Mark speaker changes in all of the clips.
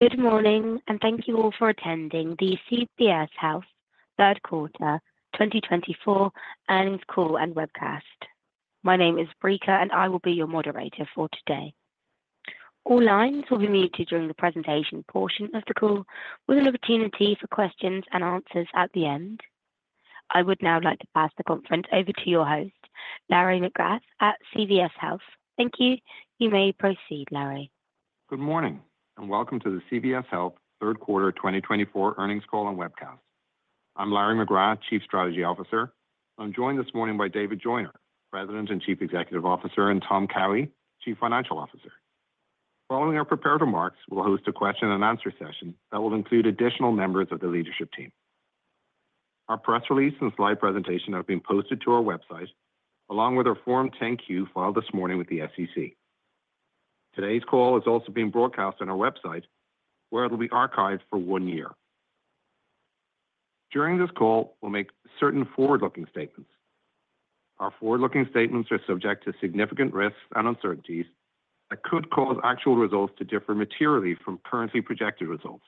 Speaker 1: Good morning, and thank you all for attending theCVS Health Third Quarter 2024 earnings call and webcast. My name is Breaker, and I will be your moderator for today. All lines will be muted during the presentation portion of the call, with an opportunity for questions and answers at the end. I would now like to pass the conference over to your host, Larry McGrath at CVS Health. Thank you. You may proceed, Larry.
Speaker 2: Good morning, and welcome to the CVS Health Third Quarter 2024 Earnings Call and Webcast. I'm Larry McGrath, Chief Strategy Officer. I'm joined this morning by David Joyner, President and Chief Executive Officer, and Tom Cowhey, Chief Financial Officer. Following our prepared remarks, we'll host a question and answer session that will include additional members of the leadership team. Our press release and slide presentation have been posted to our website, along with our Form 10-Q filed this morning with the SEC. Today's call is also being broadcast on our website, where it will be archived for one year. During this call, we'll make certain forward-looking statements. Our forward-looking statements are subject to significant risks and uncertainties that could cause actual results to differ materially from currently projected results.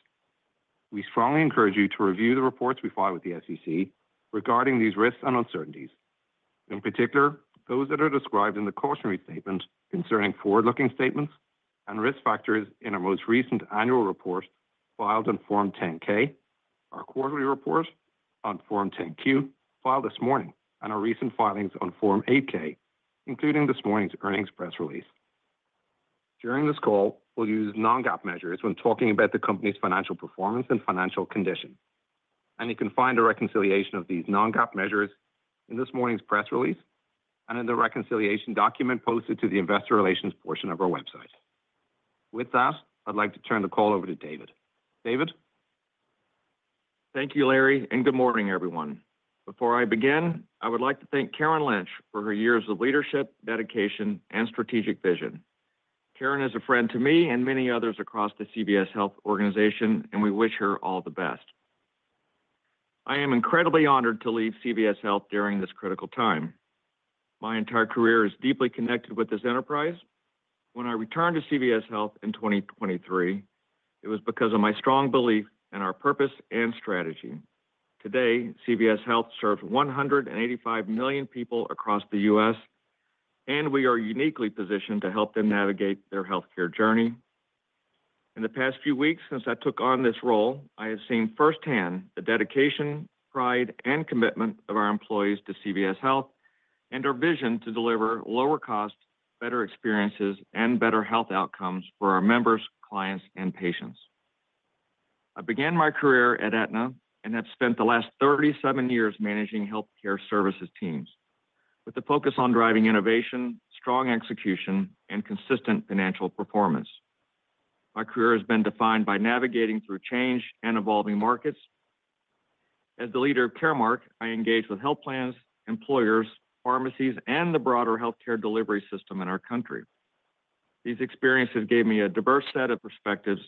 Speaker 2: We strongly encourage you to review the reports we file with the SEC regarding these risks and uncertainties, in particular those that are described in the cautionary statement concerning forward-looking statements and risk factors in our most recent annual report filed on Form 10-K, our quarterly report on Form 10-Q filed this morning, and our recent filings on Form 8-K, including this morning's earnings press release. During this call, we'll use non-GAAP measures when talking about the company's financial performance and financial condition, and you can find a reconciliation of these non-GAAP measures in this morning's press release and in the reconciliation document posted to the investor relations portion of our website. With that, I'd like to turn the call over to David. David.
Speaker 3: Thank you, Larry, and good morning, everyone. Before I begin, I would like to thank Karen Lynch for her years of leadership, dedication, and strategic vision. Karen is a friend to me and many others across the CVS Health organization, and we wish her all the best. I am incredibly honored to leave CVS Health during this critical time. My entire career is deeply connected with this enterprise. When I returned to CVS Health in 2023, it was because of my strong belief in our purpose and strategy. Today, CVS Health serves 185 million people across the U.S., and we are uniquely positioned to help them navigate their healthcare journey. In the past few weeks since I took on this role, I have seen firsthand the dedication, pride, and commitment of our employees to CVS Health and our vision to deliver lower costs, better experiences, and better health outcomes for our members, clients, and patients. I began my career at Aetna and have spent the last 37 years managing healthcare services teams with a focus on driving innovation, strong execution, and consistent financial performance. My career has been defined by navigating through change and evolving markets. As the leader of Caremark, I engage with health plans, employers, pharmacies, and the broader healthcare delivery system in our country. These experiences gave me a diverse set of perspectives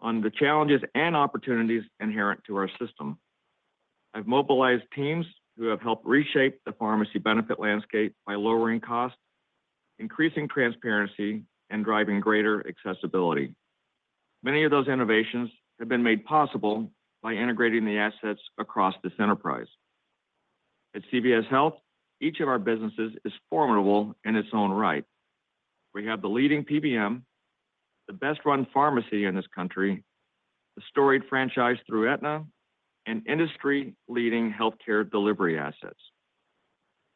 Speaker 3: on the challenges and opportunities inherent to our system. I've mobilized teams who have helped reshape the pharmacy benefit landscape by lowering costs, increasing transparency, and driving greater accessibility. Many of those innovations have been made possible by integrating the assets across this enterprise. At CVS Health, each of our businesses is formidable in its own right. We have the leading PBM, the best-run pharmacy in this country, the storied franchise through Aetna, and industry-leading healthcare delivery assets.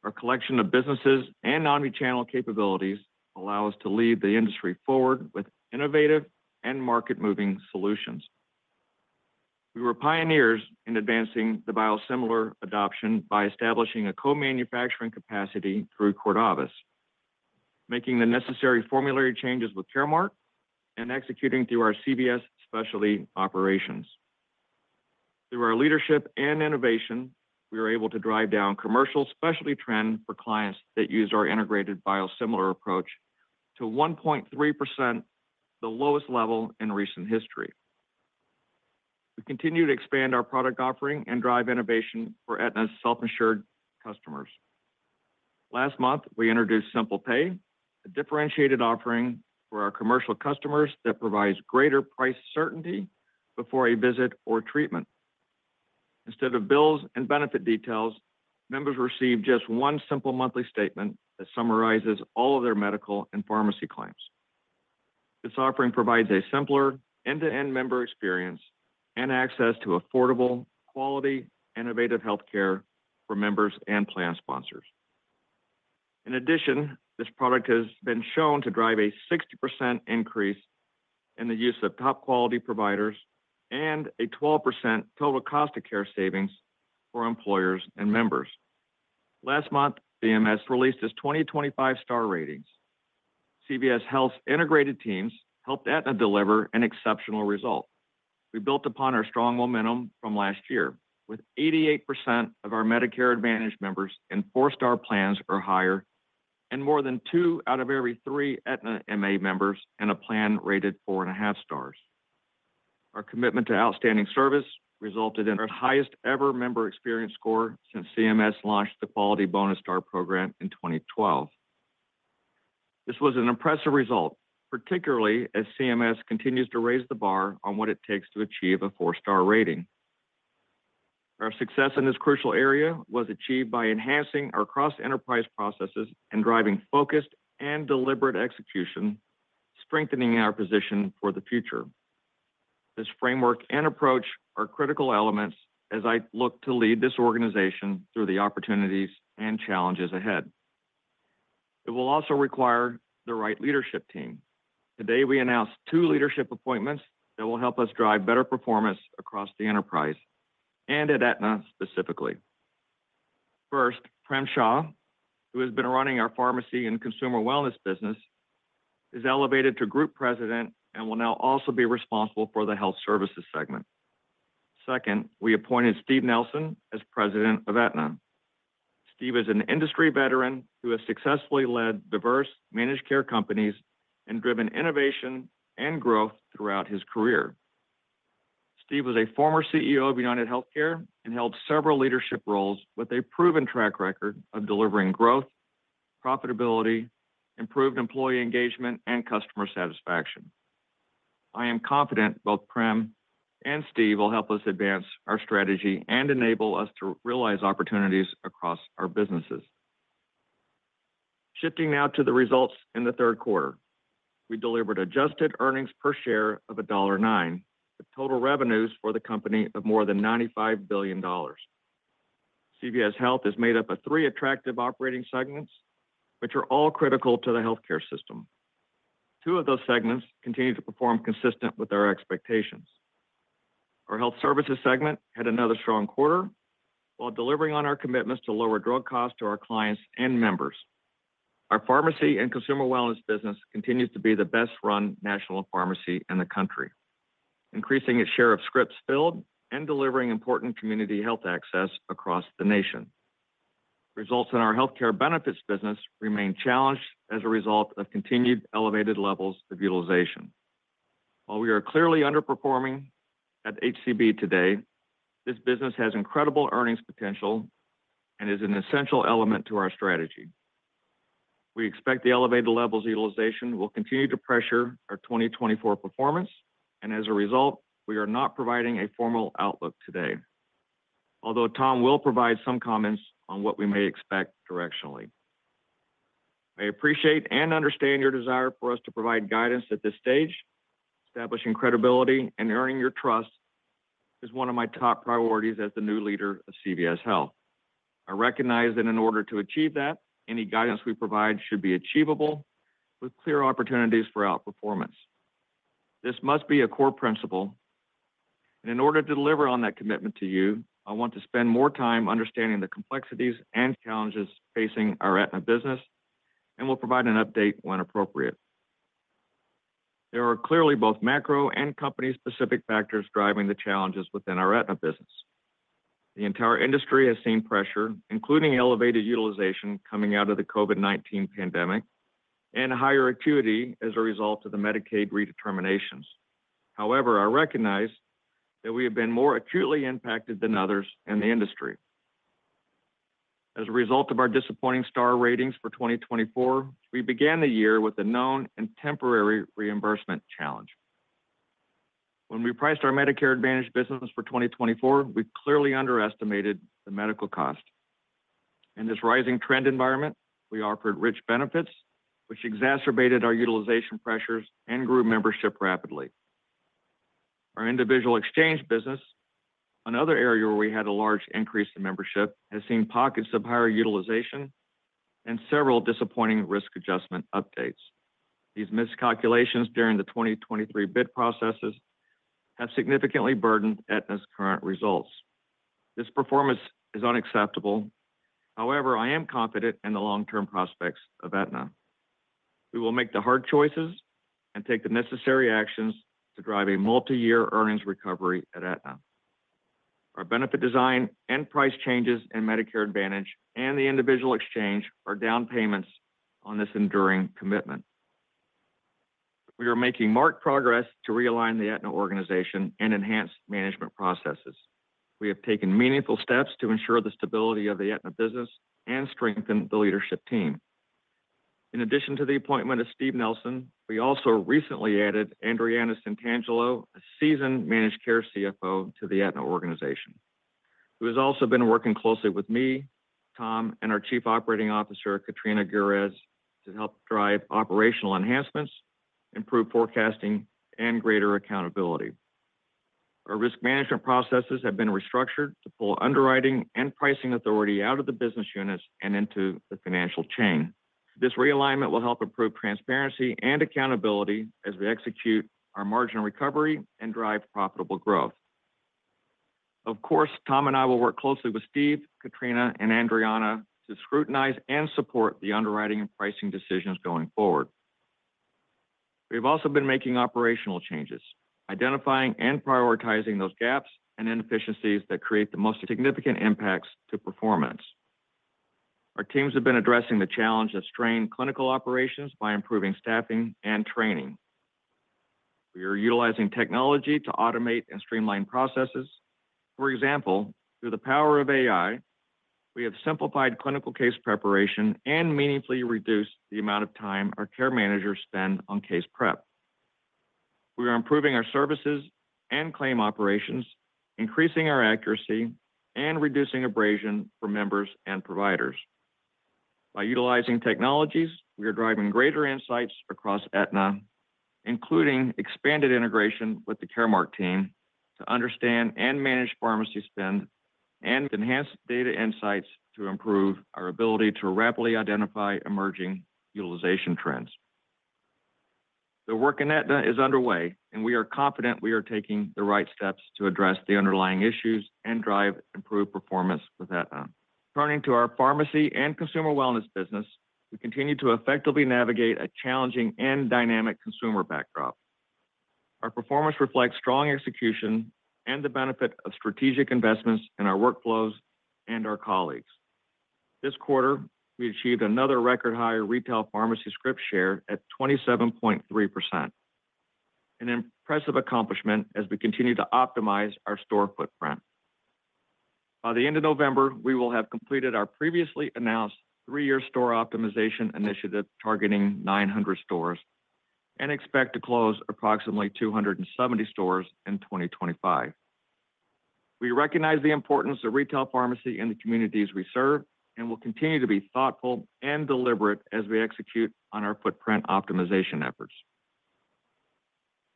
Speaker 3: Our collection of businesses and omnichannel capabilities allow us to lead the industry forward with innovative and market-moving solutions. We were pioneers in advancing the biosimilar adoption by establishing a co-manufacturing capacity through Cordavis, making the necessary formulary changes with Caremark, and executing through our CVS specialty operations. Through our leadership and innovation, we were able to drive down commercial specialty trend for clients that use our integrated biosimilar approach to 1.3%, the lowest level in recent history. We continue to expand our product offering and drive innovation for Aetna's self-insured customers. Last month, we introduced SimplePay, a differentiated offering for our commercial customers that provides greater price certainty before a visit or treatment. Instead of bills and benefit details, members receive just one simple monthly statement that summarizes all of their medical and pharmacy claims. This offering provides a simpler end-to-end member experience and access to affordable, quality, innovative healthcare for members and plan sponsors. In addition, this product has been shown to drive a 60% increase in the use of top-quality providers and a 12% total cost of care savings for employers and members. Last month, CMS released its 2025 star ratings. CVS Health's integrated teams helped Aetna deliver an exceptional result. We built upon our strong momentum from last year, with 88% of our Medicare Advantage members in four-star plans or higher, and more than two out of every three Aetna MA members in a plan rated four and a half stars. Our commitment to outstanding service resulted in our highest-ever member experience score since CMS launched the Quality Bonus Star program in 2012. This was an impressive result, particularly as CMS continues to raise the bar on what it takes to achieve a four-star rating. Our success in this crucial area was achieved by enhancing our cross-enterprise processes and driving focused and deliberate execution, strengthening our position for the future. This framework and approach are critical elements as I look to lead this organization through the opportunities and challenges ahead. It will also require the right leadership team. Today, we announced two leadership appointments that will help us drive better performance across the enterprise and at Aetna specifically. First, Prem Shah, who has been running our pharmacy and consumer wellness business, is elevated to Group President and will now also be responsible for the health services segment. Second, we appointed Steve Nelson as President of Aetna. Steve is an industry veteran who has successfully led diverse managed care companies and driven innovation and growth throughout his career. Steve was a former CEO of UnitedHealthcare and held several leadership roles with a proven track record of delivering growth, profitability, improved employee engagement, and customer satisfaction. I am confident both Prem and Steve will help us advance our strategy and enable us to realize opportunities across our businesses. Shifting now to the results in the third quarter, we delivered adjusted earnings per share of $1.09, with total revenues for the company of more than $95 billion. CVS Health is made up of three attractive operating segments, which are all critical to the healthcare system. Two of those segments continue to perform consistent with our expectations. Our health services segment had another strong quarter while delivering on our commitments to lower drug costs to our clients and members. Our pharmacy and consumer wellness business continues to be the best-run national pharmacy in the country, increasing its share of scripts filled and delivering important community health access across the nation. Results in our healthcare benefits business remain challenged as a result of continued elevated levels of utilization. While we are clearly underperforming at HCB today, this business has incredible earnings potential and is an essential element to our strategy. We expect the elevated levels of utilization will continue to pressure our 2024 performance, and as a result, we are not providing a formal outlook today, although Tom will provide some comments on what we may expect directionally. I appreciate and understand your desire for us to provide guidance at this stage. Establishing credibility and earning your trust is one of my top priorities as the new leader of CVS Health. I recognize that in order to achieve that, any guidance we provide should be achievable with clear opportunities for outperformance. This must be a core principle, and in order to deliver on that commitment to you, I want to spend more time understanding the complexities and challenges facing our Aetna business, and we'll provide an update when appropriate. There are clearly both macro and company-specific factors driving the challenges within our Aetna business. The entire industry has seen pressure, including elevated utilization coming out of the COVID-19 pandemic and higher acuity as a result of the Medicaid redeterminations. However, I recognize that we have been more acutely impacted than others in the industry. As a result of our disappointing star ratings for 2024, we began the year with a known and temporary reimbursement challenge. When we priced our Medicare Advantage business for 2024, we clearly underestimated the medical cost. In this rising trend environment, we offered rich benefits, which exacerbated our utilization pressures and grew membership rapidly. Our individual exchange business, another area where we had a large increase in membership, has seen pockets of higher utilization and several disappointing risk adjustment updates. These miscalculations during the 2023 bid processes have significantly burdened Aetna's current results. This performance is unacceptable. However, I am confident in the long-term prospects of Aetna. We will make the hard choices and take the necessary actions to drive a multi-year earnings recovery at Aetna. Our benefit design and price changes in Medicare Advantage and the individual exchange are down payments on this enduring commitment. We are making marked progress to realign the Aetna organization and enhance management processes. We have taken meaningful steps to ensure the stability of the Aetna business and strengthen the leadership team. In addition to the appointment of Steve Nelson, we also recently added Andreana Santangelo, a seasoned managed care CFO, to the Aetna organization. He has also been working closely with me, Tom, and our Chief Operating Officer, Shawn Guertin, to help drive operational enhancements, improve forecasting, and greater accountability. Our risk management processes have been restructured to pull underwriting and pricing authority out of the business units and into the financial chain. This realignment will help improve transparency and accountability as we execute our margin recovery and drive profitable growth. Of course, Tom and I will work closely with Steve, Katrina, and Andrea to scrutinize and support the underwriting and pricing decisions going forward. We have also been making operational changes, identifying and prioritizing those gaps and inefficiencies that create the most significant impacts to performance. Our teams have been addressing the challenge of strained clinical operations by improving staffing and training. We are utilizing technology to automate and streamline processes. For example, through the power of AI, we have simplified clinical case preparation and meaningfully reduced the amount of time our care managers spend on case prep. We are improving our services and claim operations, increasing our accuracy, and reducing abrasion for members and providers. By utilizing technologies, we are driving greater insights across Aetna, including expanded integration with the Caremark team to understand and manage pharmacy spend and enhanced data insights to improve our ability to rapidly identify emerging utilization trends. The work in Aetna is underway, and we are confident we are taking the right steps to address the underlying issues and drive improved performance with Aetna. Turning to our pharmacy and consumer wellness business, we continue to effectively navigate a challenging and dynamic consumer backdrop. Our performance reflects strong execution and the benefit of strategic investments in our workflows and our colleagues. This quarter, we achieved another record-high retail pharmacy scripts share at 27.3%, an impressive accomplishment as we continue to optimize our store footprint. By the end of November, we will have completed our previously announced three-year store optimization initiative targeting 900 stores and expect to close approximately 270 stores in 2025. We recognize the importance of retail pharmacy in the communities we serve and will continue to be thoughtful and deliberate as we execute on our footprint optimization efforts.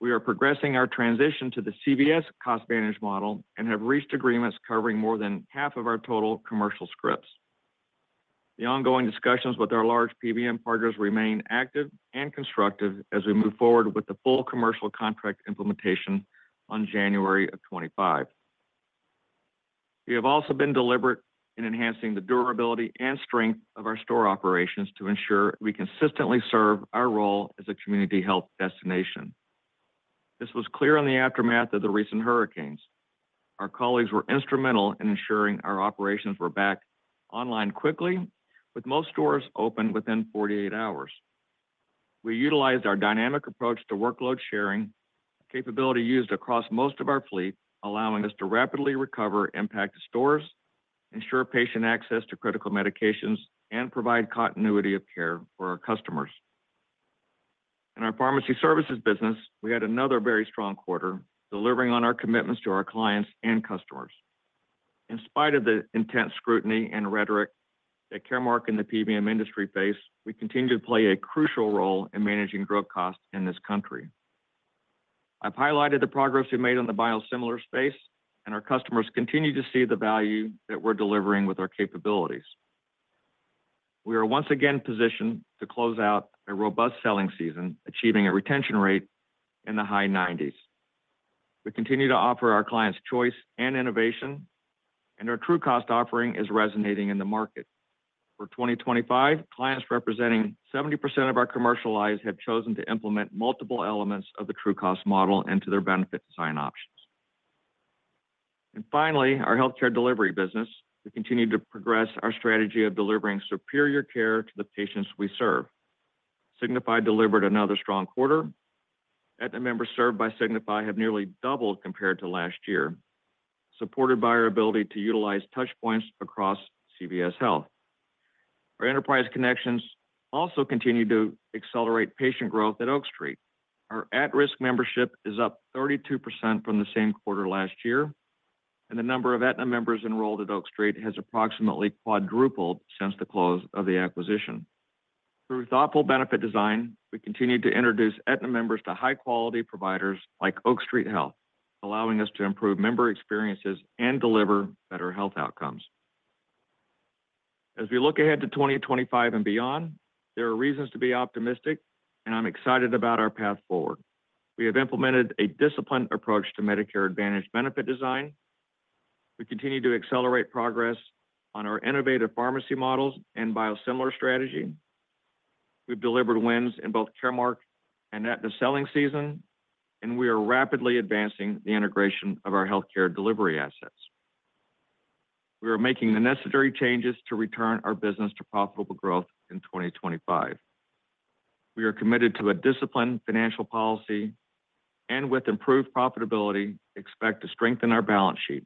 Speaker 3: We are progressing our transition to the CVS CostVantage model and have reached agreements covering more than half of our total commercial scripts. The ongoing discussions with our large PBM partners remain active and constructive as we move forward with the full commercial contract implementation on January of 2025. We have also been deliberate in enhancing the durability and strength of our store operations to ensure we consistently serve our role as a community health destination. This was clear in the aftermath of the recent hurricanes. Our colleagues were instrumental in ensuring our operations were back online quickly, with most stores open within 48 hours. We utilized our dynamic approach to workload sharing, capability used across most of our fleet, allowing us to rapidly recover impacted stores, ensure patient access to critical medications, and provide continuity of care for our customers. In our pharmacy services business, we had another very strong quarter, delivering on our commitments to our clients and customers. In spite of the intense scrutiny and rhetoric that Caremark and the PBM industry face, we continue to play a crucial role in managing drug costs in this country. I've highlighted the progress we've made in the biosimilar space, and our customers continue to see the value that we're delivering with our capabilities. We are once again positioned to close out a robust selling season, achieving a retention rate in the high 90s. We continue to offer our clients choice and innovation, and our TrueCost offering is resonating in the market. For 2025, clients representing 70% of our commercial lives have chosen to implement multiple elements of the TrueCost model into their benefit design options, and finally, our healthcare delivery business. We continue to progress our strategy of delivering superior care to the patients we serve. Signify delivered another strong quarter. Aetna members served by Signify have nearly doubled compared to last year, supported by our ability to utilize touchpoints across CVS Health. Our enterprise connections also continue to accelerate patient growth at Oak Street. Our at-risk membership is up 32% from the same quarter last year, and the number of Aetna members enrolled at Oak Street has approximately quadrupled since the close of the acquisition. Through thoughtful benefit design, we continue to introduce Aetna members to high-quality providers like Oak Street Health, allowing us to improve member experiences and deliver better health outcomes. As we look ahead to 2025 and beyond, there are reasons to be optimistic, and I'm excited about our path forward. We have implemented a disciplined approach to Medicare Advantage benefit design. We continue to accelerate progress on our innovative pharmacy models and biosimilar strategy. We've delivered wins in both Caremark and Aetna selling season, and we are rapidly advancing the integration of our healthcare delivery assets. We are making the necessary changes to return our business to profitable growth in 2025. We are committed to a disciplined financial policy and, with improved profitability, expect to strengthen our balance sheet.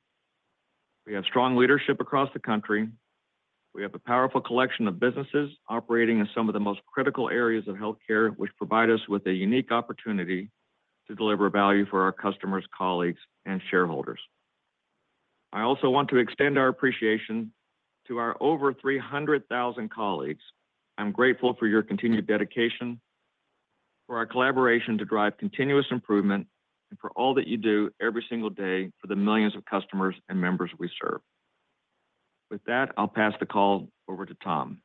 Speaker 3: We have strong leadership across the country. We have a powerful collection of businesses operating in some of the most critical areas of healthcare, which provide us with a unique opportunity to deliver value for our customers, colleagues, and shareholders. I also want to extend our appreciation to our over 300,000 colleagues. I'm grateful for your continued dedication, for our collaboration to drive continuous improvement, and for all that you do every single day for the millions of customers and members we serve. With that, I'll pass the call over to Tom.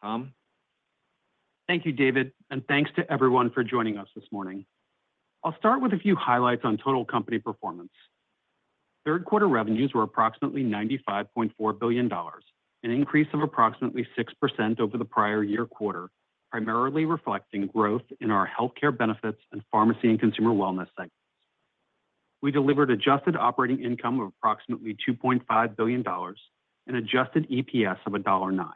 Speaker 3: Tom?
Speaker 4: Thank you, David, and thanks to everyone for joining us this morning. I'll start with a few highlights on total company performance. Third quarter revenues were approximately $95.4 billion, an increase of approximately 6% over the prior year quarter, primarily reflecting growth in our healthcare benefits and pharmacy and consumer wellness segments. We delivered adjusted operating income of approximately $2.5 billion and adjusted EPS of $1.09.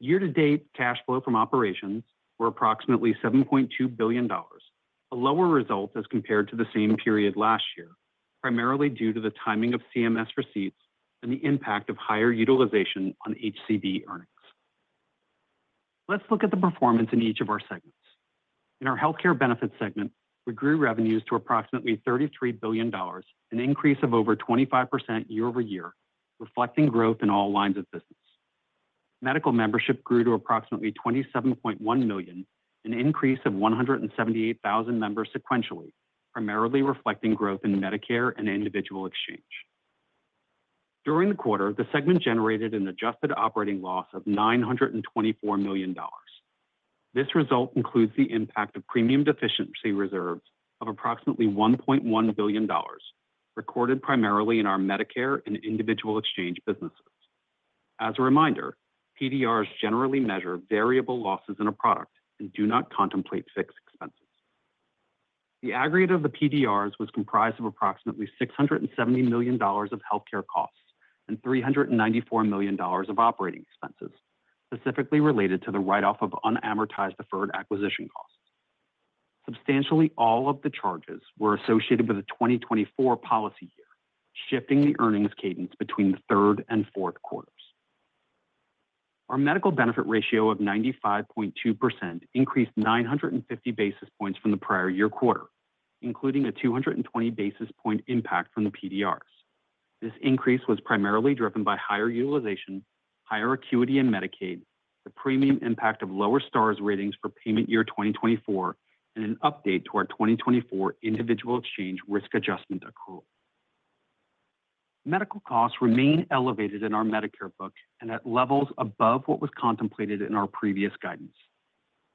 Speaker 4: Year-to-date cash flow from operations were approximately $7.2 billion, a lower result as compared to the same period last year, primarily due to the timing of CMS receipts and the impact of higher utilization on HCB earnings. Let's look at the performance in each of our segments. In our healthcare benefits segment, we grew revenues to approximately $33 billion, an increase of over 25% year-over-year, reflecting growth in all lines of business. Medical membership grew to approximately 27.1 million, an increase of 178,000 members sequentially, primarily reflecting growth in Medicare and individual exchange. During the quarter, the segment generated an adjusted operating loss of $924 million. This result includes the impact of premium deficiency reserves of approximately $1.1 billion, recorded primarily in our Medicare and individual exchange businesses. As a reminder, PDRs generally measure variable losses in a product and do not contemplate fixed expenses. The aggregate of the PDRs was comprised of approximately $670 million of healthcare costs and $394 million of operating expenses, specifically related to the write-off of unamortized deferred acquisition costs. Substantially all of the charges were associated with a 2024 policy year, shifting the earnings cadence between the third and fourth quarters. Our medical benefit ratio of 95.2% increased 950 basis points from the prior year quarter, including a 220 basis point impact from the PDRs. This increase was primarily driven by higher utilization, higher acuity in Medicaid, the premium impact of lower Star Ratings for payment year 2024, and an update to our 2024 individual exchange risk adjustment accrual. Medical costs remain elevated in our Medicare book and at levels above what was contemplated in our previous guidance.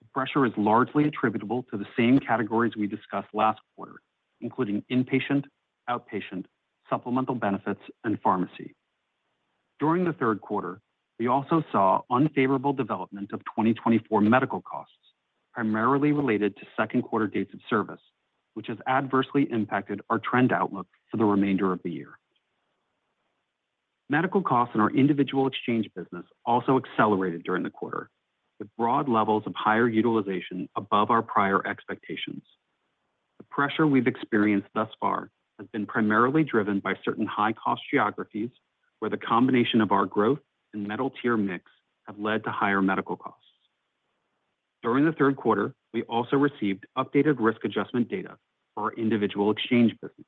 Speaker 4: The pressure is largely attributable to the same categories we discussed last quarter, including inpatient, outpatient, supplemental benefits, and pharmacy. During the third quarter, we also saw unfavorable development of 2024 medical costs, primarily related to second quarter dates of service, which has adversely impacted our trend outlook for the remainder of the year. Medical costs in our individual exchange business also accelerated during the quarter, with broad levels of higher utilization above our prior expectations. The pressure we've experienced thus far has been primarily driven by certain high-cost geographies where the combination of our growth and metal-tier mix have led to higher medical costs. During the third quarter, we also received updated risk adjustment data for our individual exchange business.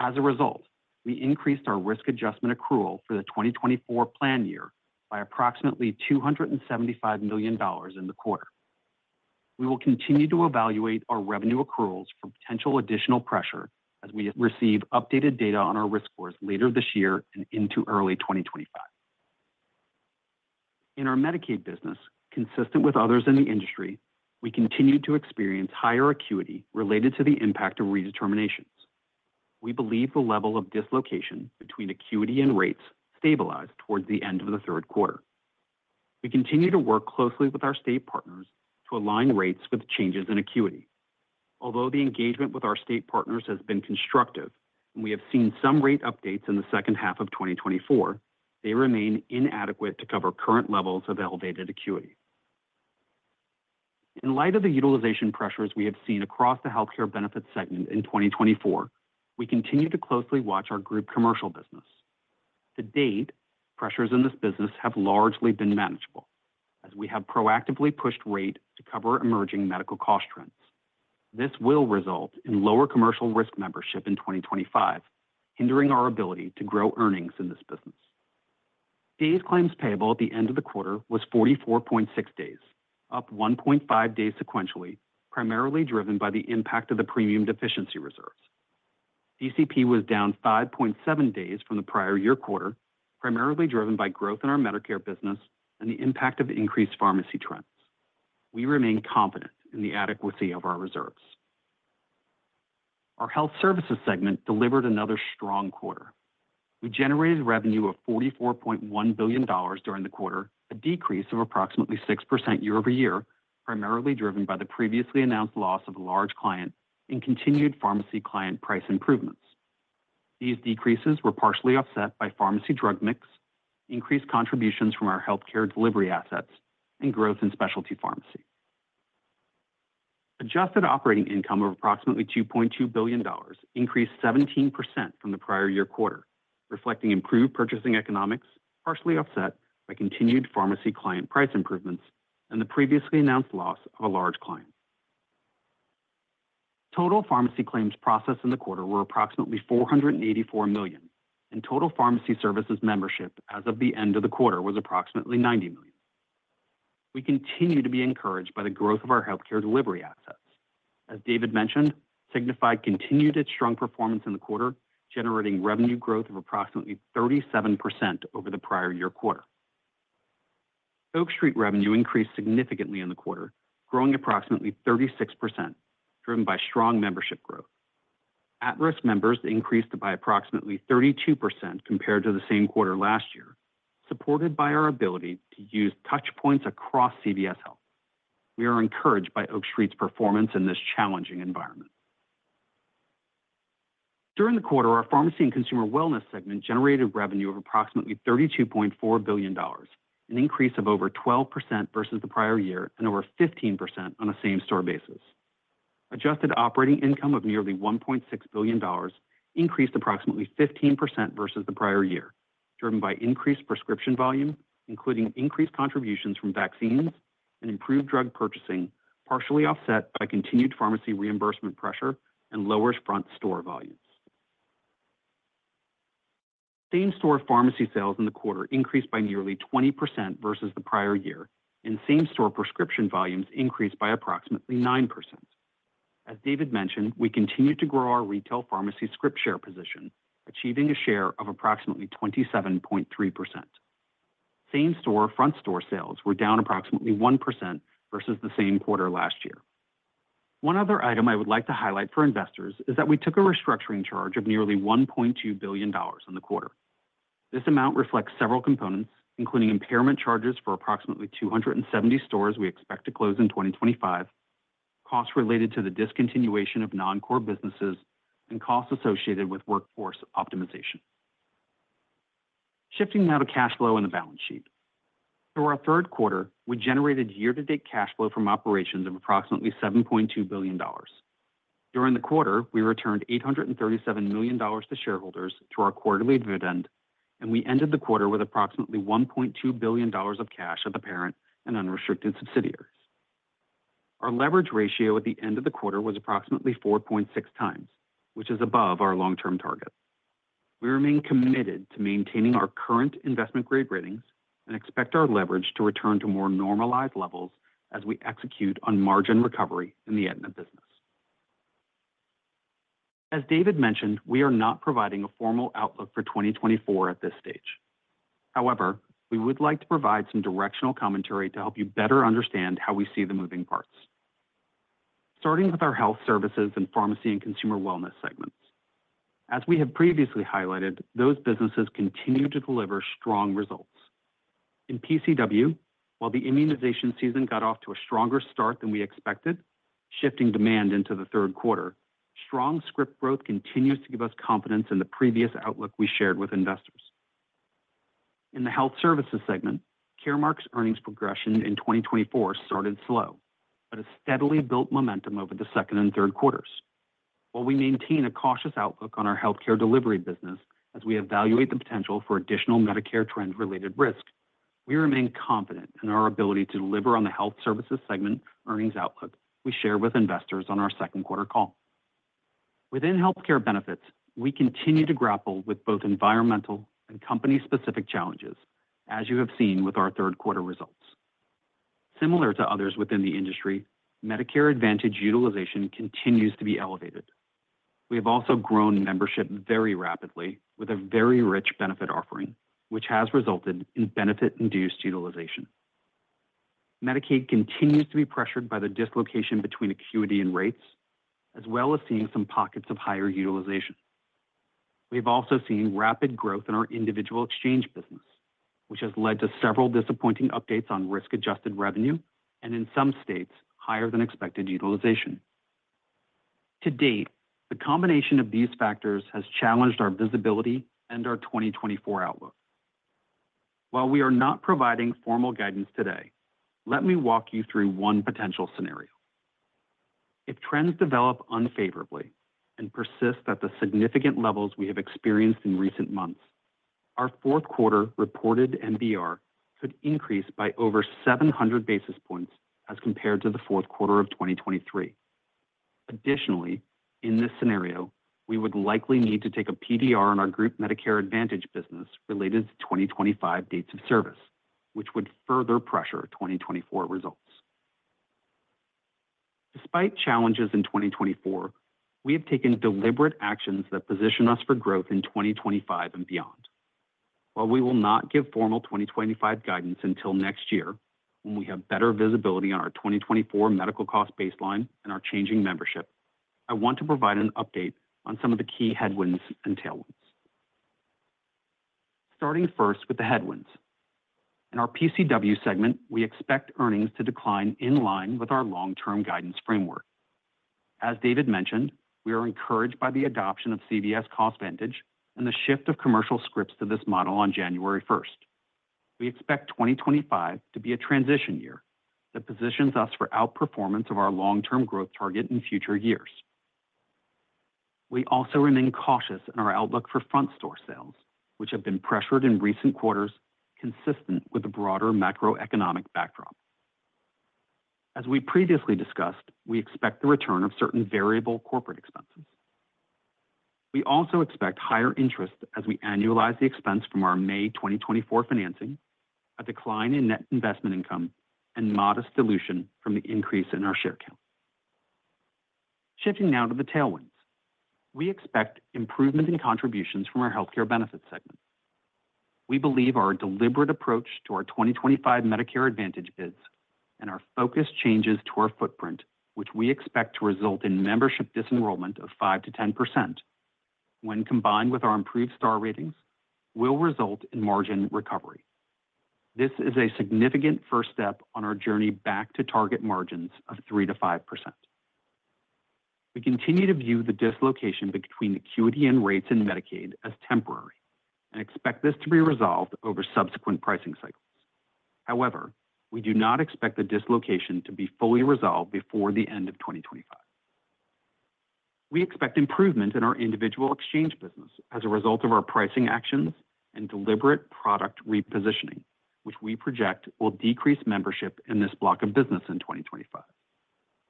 Speaker 4: As a result, we increased our risk adjustment accrual for the 2024 plan year by approximately $275 million in the quarter. We will continue to evaluate our revenue accruals for potential additional pressure as we receive updated data on our risk scores later this year and into early 2025. In our Medicaid business, consistent with others in the industry, we continue to experience higher acuity related to the impact of redeterminations. We believe the level of dislocation between acuity and rates stabilized towards the end of the third quarter. We continue to work closely with our state partners to align rates with changes in acuity. Although the engagement with our state partners has been constructive and we have seen some rate updates in the second half of 2024, they remain inadequate to cover current levels of elevated acuity. In light of the utilization pressures we have seen across the healthcare benefits segment in 2024, we continue to closely watch our group commercial business. To date, pressures in this business have largely been manageable as we have proactively pushed rate to cover emerging medical cost trends. This will result in lower commercial risk membership in 2025, hindering our ability to grow earnings in this business. Days claims payable at the end of the quarter was 44.6 days, up 1.5 days sequentially, primarily driven by the impact of the premium deficiency reserves. DCP was down 5.7 days from the prior year quarter, primarily driven by growth in our Medicare business and the impact of increased pharmacy trends. We remain confident in the adequacy of our reserves. Our health services segment delivered another strong quarter. We generated revenue of $44.1 billion during the quarter, a decrease of approximately 6% year-over-year, primarily driven by the previously announced loss of a large client and continued pharmacy client price improvements. These decreases were partially offset by pharmacy drug mix, increased contributions from our healthcare delivery assets, and growth in specialty pharmacy. Adjusted operating income of approximately $2.2 billion increased 17% from the prior year quarter, reflecting improved purchasing economics, partially offset by continued pharmacy client price improvements and the previously announced loss of a large client. Total pharmacy claims processed in the quarter were approximately 484 million, and total pharmacy services membership as of the end of the quarter was approximately 90 million. We continue to be encouraged by the growth of our healthcare delivery assets. As David mentioned, Signify continued its strong performance in the quarter, generating revenue growth of approximately 37% over the prior year quarter. Oak Street revenue increased significantly in the quarter, growing approximately 36%, driven by strong membership growth. At-risk members increased by approximately 32% compared to the same quarter last year, supported by our ability to use touchpoints across CVS Health. We are encouraged by Oak Street's performance in this challenging environment. During the quarter, our pharmacy and consumer wellness segment generated revenue of approximately $32.4 billion, an increase of over 12% versus the prior year and over 15% on a same-store basis. Adjusted operating income of nearly $1.6 billion increased approximately 15% versus the prior year, driven by increased prescription volume, including increased contributions from vaccines and improved drug purchasing, partially offset by continued pharmacy reimbursement pressure and lower front-store volumes. Same-store pharmacy sales in the quarter increased by nearly 20% versus the prior year, and same-store prescription volumes increased by approximately 9%. As David mentioned, we continued to grow our retail pharmacy scripts share position, achieving a share of approximately 27.3%. Same-store front-store sales were down approximately 1% versus the same quarter last year. One other item I would like to highlight for investors is that we took a restructuring charge of nearly $1.2 billion in the quarter. This amount reflects several components, including impairment charges for approximately 270 stores we expect to close in 2025, costs related to the discontinuation of non-core businesses, and costs associated with workforce optimization. Shifting now to cash flow and the balance sheet. For our third quarter, we generated year-to-date cash flow from operations of approximately $7.2 billion. During the quarter, we returned $837 million to shareholders through our quarterly dividend, and we ended the quarter with approximately $1.2 billion of cash at the parent and unrestricted subsidiaries. Our leverage ratio at the end of the quarter was approximately 4.6x, which is above our long-term target. We remain committed to maintaining our current investment-grade ratings and expect our leverage to return to more normalized levels as we execute on margin recovery in the Aetna business. As David mentioned, we are not providing a formal outlook for 2024 at this stage. However, we would like to provide some directional commentary to help you better understand how we see the moving parts. Starting with our health services and pharmacy and consumer wellness segments. As we have previously highlighted, those businesses continue to deliver strong results. In PCW, while the immunization season got off to a stronger start than we expected, shifting demand into the third quarter, strong script growth continues to give us confidence in the previous outlook we shared with investors. In the health services segment, Caremark's earnings progression in 2024 started slow, but has steadily built momentum over the second and third quarters. While we maintain a cautious outlook on our healthcare delivery business as we evaluate the potential for additional Medicare trend-related risk, we remain confident in our ability to deliver on the health services segment earnings outlook we shared with investors on our second quarter call. Within healthcare benefits, we continue to grapple with both environmental and company-specific challenges, as you have seen with our third quarter results. Similar to others within the industry, Medicare Advantage utilization continues to be elevated. We have also grown membership very rapidly with a very rich benefit offering, which has resulted in benefit-induced utilization. Medicaid continues to be pressured by the dislocation between acuity and rates, as well as seeing some pockets of higher utilization. We have also seen rapid growth in our individual exchange business, which has led to several disappointing updates on risk-adjusted revenue and, in some states, higher-than-expected utilization. To date, the combination of these factors has challenged our visibility and our 2024 outlook. While we are not providing formal guidance today, let me walk you through one potential scenario. If trends develop unfavorably and persist at the significant levels we have experienced in recent months, our fourth quarter reported MBR could increase by over 700 basis points as compared to the fourth quarter of 2023. Additionally, in this scenario, we would likely need to take a PDR on our group Medicare Advantage business related to 2025 dates of service, which would further pressure 2024 results. Despite challenges in 2024, we have taken deliberate actions that position us for growth in 2025 and beyond. While we will not give formal 2025 guidance until next year, when we have better visibility on our 2024 medical cost baseline and our changing membership, I want to provide an update on some of the key headwinds and tailwinds. Starting first with the headwinds. In our PCW segment, we expect earnings to decline in line with our long-term guidance framework. As David mentioned, we are encouraged by the adoption of CVS CostVantage and the shift of commercial scripts to this model on January 1st. We expect 2025 to be a transition year that positions us for outperformance of our long-term growth target in future years. We also remain cautious in our outlook for front-store sales, which have been pressured in recent quarters, consistent with a broader macroeconomic backdrop. As we previously discussed, we expect the return of certain variable corporate expenses. We also expect higher interest as we annualize the expense from our May 2024 financing, a decline in net investment income, and modest dilution from the increase in our share count. Shifting now to the tailwinds. We expect improvement in contributions from our healthcare benefits segment. We believe our deliberate approach to our 2025 Medicare Advantage bids and our focus changes to our footprint, which we expect to result in membership disenrollment of 5%-10%, when combined with our improved star ratings, will result in margin recovery. This is a significant first step on our journey back to target margins of 3%-5%. We continue to view the dislocation between acuity and rates in Medicaid as temporary and expect this to be resolved over subsequent pricing cycles. However, we do not expect the dislocation to be fully resolved before the end of 2025. We expect improvement in our individual exchange business as a result of our pricing actions and deliberate product repositioning, which we project will decrease membership in this block of business in 2025.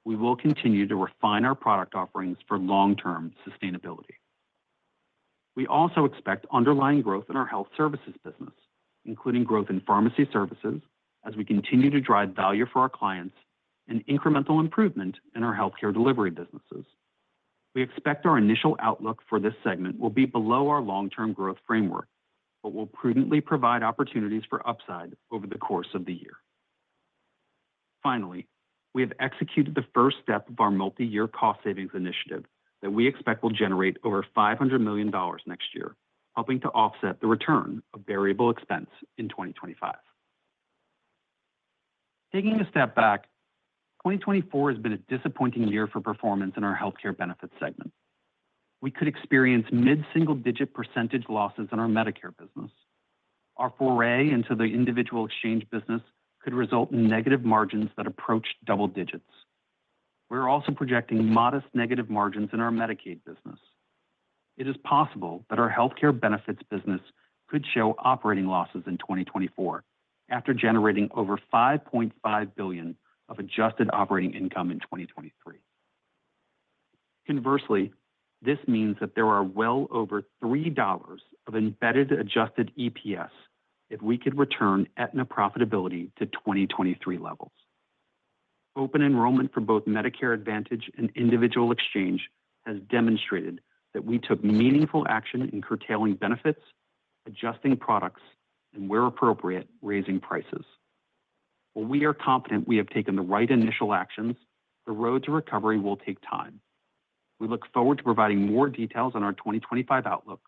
Speaker 4: We will continue to refine our product offerings for long-term sustainability. We also expect underlying growth in our health services business, including growth in pharmacy services as we continue to drive value for our clients and incremental improvement in our healthcare delivery businesses. We expect our initial outlook for this segment will be below our long-term growth framework, but will prudently provide opportunities for upside over the course of the year. Finally, we have executed the first step of our multi-year cost savings initiative that we expect will generate over $500 million next year, helping to offset the return of variable expense in 2025. Taking a step back, 2024 has been a disappointing year for performance in our healthcare benefits segment. We could experience mid-single-digit percentage losses in our Medicare business. Our foray into the individual exchange business could result in negative margins that approach double digits. We're also projecting modest negative margins in our Medicaid business. It is possible that our healthcare benefits business could show operating losses in 2024 after generating over $5.5 billion of adjusted operating income in 2023. Conversely, this means that there are well over $3 of embedded adjusted EPS if we could return Aetna profitability to 2023 levels. Open enrollment for both Medicare Advantage and individual exchange has demonstrated that we took meaningful action in curtailing benefits, adjusting products, and, where appropriate, raising prices. While we are confident we have taken the right initial actions, the road to recovery will take time. We look forward to providing more details on our 2025 outlook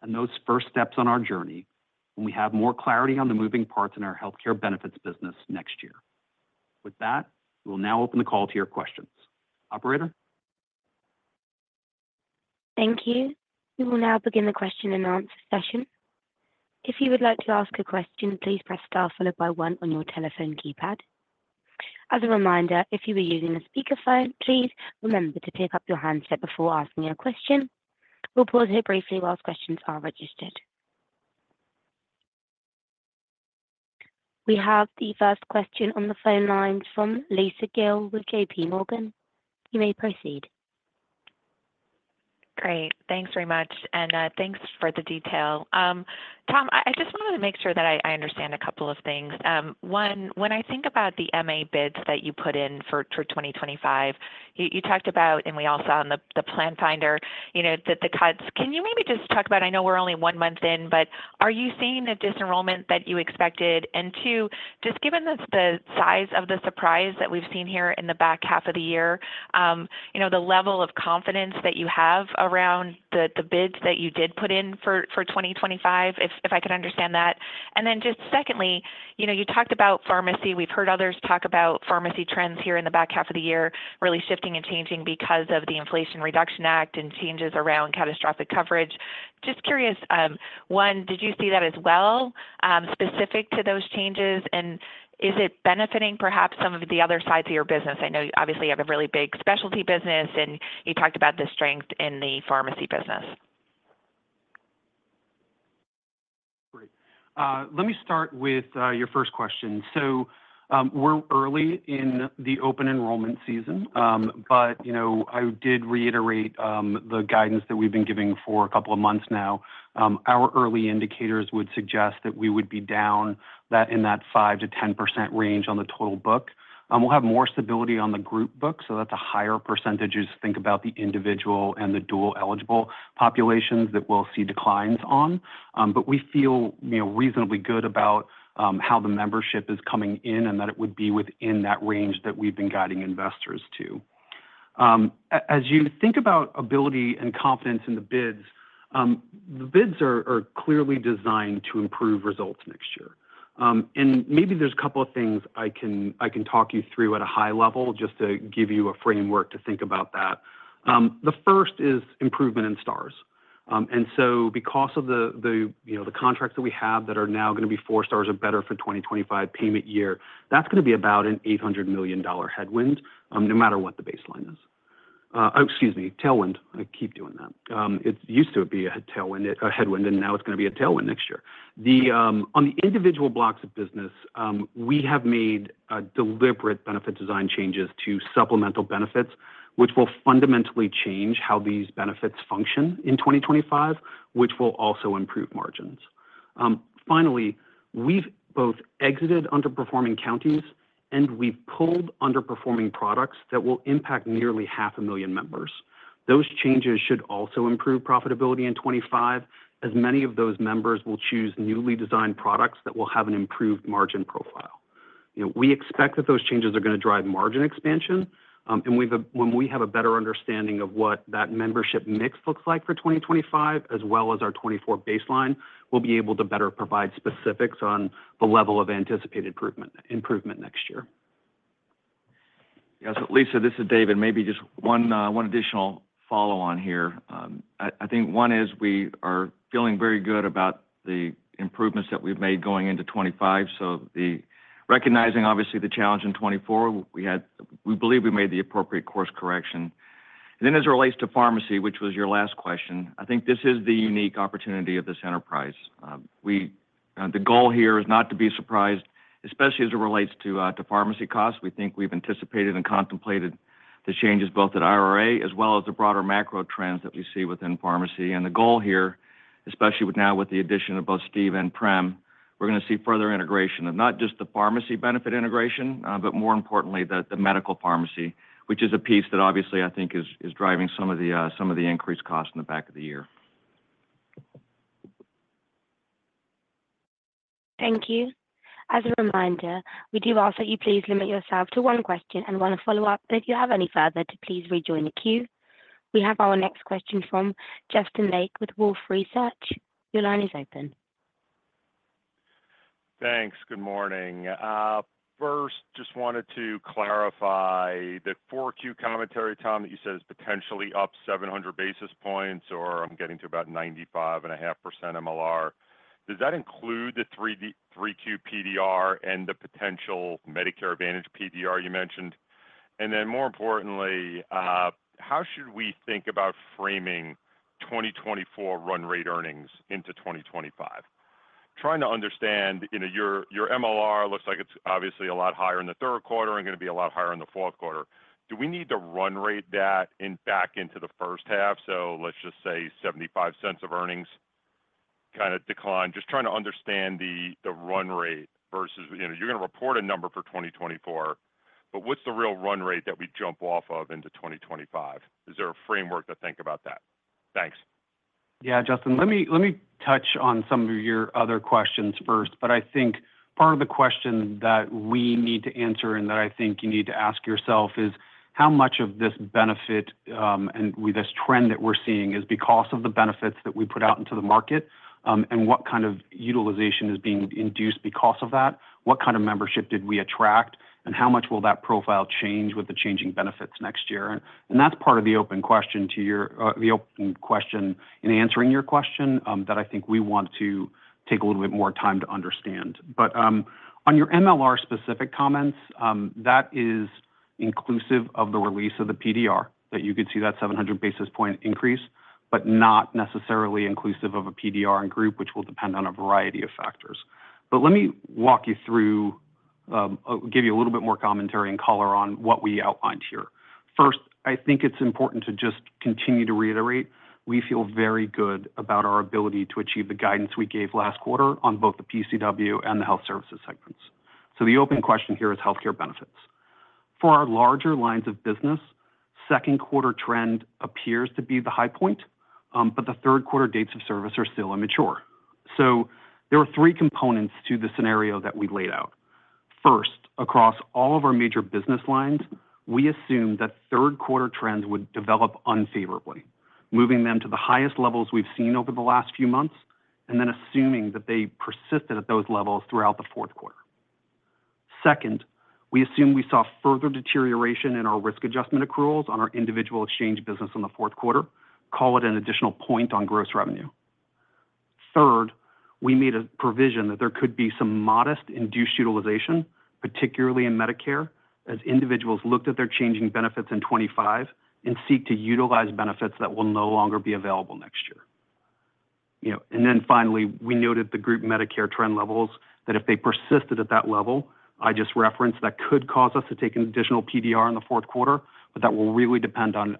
Speaker 4: and those first steps on our journey when we have more clarity on the moving parts in our healthcare benefits business next year. With that, we will now open the call to your questions. Operator?
Speaker 1: Thank you. We will now begin the question-and-answer session. If you would like to ask a question, please press star followed by one on your telephone keypad. As a reminder, if you are using a speakerphone, please remember to pick up your handset before asking a question. We'll pause here briefly while questions are registered. We have the first question on the phone lines from Lisa Gill with JPMorgan. You may proceed.
Speaker 5: Great. Thanks very much. And thanks for the detail. Tom, I just wanted to make sure that I understand a couple of things. One, when I think about the MA bids that you put in for 2025, you talked about, and we all saw on the Plan Finder, the cuts. Can you maybe just talk about, I know we're only one month in, but are you seeing the disenrollment that you expected? And two, just given the size of the surprise that we've seen here in the back half of the year, the level of confidence that you have around the bids that you did put in for 2025, if I could understand that. And then just secondly, you talked about pharmacy. We've heard others talk about pharmacy trends here in the back half of the year really shifting and changing because of the Inflation Reduction Act and changes around catastrophic coverage. Just curious, one, did you see that as well specific to those changes? And is it benefiting perhaps some of the other sides of your business? I know you obviously have a really big specialty business, and you talked about the strength in the pharmacy business.
Speaker 4: Great. Let me start with your first question. So we're early in the open enrollment season, but I did reiterate the guidance that we've been giving for a couple of months now. Our early indicators would suggest that we would be down in that 5%-10% range on the total book. We'll have more stability on the group book, so that's a higher percentage as you think about the individual and the dual eligible populations that we'll see declines on. But we feel reasonably good about how the membership is coming in and that it would be within that range that we've been guiding investors to. As you think about ability and confidence in the bids, the bids are clearly designed to improve results next year, and maybe there's a couple of things I can talk you through at a high level just to give you a framework to think about that. The first is improvement in stars, and so because of the contracts that we have that are now going to be four stars or better for 2025 payment year, that's going to be about an $800 million headwind no matter what the baseline is. Oh, excuse me, tailwind. I keep doing that. It used to be a headwind, and now it's going to be a tailwind next year. On the individual blocks of business, we have made deliberate benefit design changes to supplemental benefits, which will fundamentally change how these benefits function in 2025, which will also improve margins. Finally, we've both exited underperforming counties, and we've pulled underperforming products that will impact nearly 500,000 members. Those changes should also improve profitability in 2025, as many of those members will choose newly designed products that will have an improved margin profile. We expect that those changes are going to drive margin expansion and when we have a better understanding of what that membership mix looks like for 2025, as well as our 2024 baseline, we'll be able to better provide specifics on the level of anticipated improvement next year.
Speaker 3: Yes. Lisa, this is David. Maybe just one additional follow-on here. I think one is we are feeling very good about the improvements that we've made going into 2025. So recognizing, obviously, the challenge in 2024, we believe we made the appropriate course correction. And then as it relates to pharmacy, which was your last question, I think this is the unique opportunity of this enterprise. The goal here is not to be surprised, especially as it relates to pharmacy costs. We think we've anticipated and contemplated the changes both at IRA as well as the broader macro trends that we see within pharmacy. And the goal here, especially now with the addition of both Steve and Prem, we're going to see further integration of not just the pharmacy benefit integration, but more importantly, the medical pharmacy, which is a piece that obviously I think is driving some of the increased costs in the back of the year.
Speaker 1: Thank you. As a reminder, we do ask that you please limit yourself to one question and one follow-up. But if you have any further, please rejoin the queue. We have our next question from Justin Lake with Wolfe Research. Your line is open.
Speaker 6: Thanks. Good morning. First, just wanted to clarify the 4Q commentary, Tom, that you said is potentially up 700 basis points or I'm getting to about 95.5% MLR. Does that include the 3Q PDR and the potential Medicare Advantage PDR you mentioned? And then more importantly, how should we think about framing 2024 run rate earnings into 2025? Trying to understand your MLR looks like it's obviously a lot higher in the third quarter and going to be a lot higher in the fourth quarter. Do we need to run rate that back into the first half? So let's just say $0.75 of earnings kind of decline. Just trying to understand the run rate versus you're going to report a number for 2024, but what's the real run rate that we jump off of into 2025? Is there a framework to think about that? Thanks.
Speaker 4: Yeah, Justin, let me touch on some of your other questions first. But I think part of the question that we need to answer and that I think you need to ask yourself is how much of this benefit and this trend that we're seeing is because of the benefits that we put out into the market and what kind of utilization is being induced because of that? What kind of membership did we attract, and how much will that profile change with the changing benefits next year? That's part of the open question to your open question in answering your question that I think we want to take a little bit more time to understand. But on your MLR-specific comments, that is inclusive of the release of the PDR that you could see that 700 basis point increase, but not necessarily inclusive of a PDR and group, which will depend on a variety of factors. But let me walk you through, give you a little bit more commentary and color on what we outlined here. First, I think it's important to just continue to reiterate. We feel very good about our ability to achieve the guidance we gave last quarter on both the PCW and the health services segments. So the open question here is healthcare benefits. For our larger lines of business, second quarter trend appears to be the high point, but the third quarter dates of service are still immature. So there were three components to the scenario that we laid out. First, across all of our major business lines, we assumed that third quarter trends would develop unfavorably, moving them to the highest levels we've seen over the last few months, and then assuming that they persisted at those levels throughout the fourth quarter. Second, we assumed we saw further deterioration in our risk adjustment accruals on our individual exchange business in the fourth quarter, call it an additional point on gross revenue. Third, we made a provision that there could be some modest induced utilization, particularly in Medicare, as individuals looked at their changing benefits in 2025 and seek to utilize benefits that will no longer be available next year. Then finally, we noted the group Medicare trend levels that if they persisted at that level, I just referenced that could cause us to take an additional PDR in the fourth quarter, but that will really depend on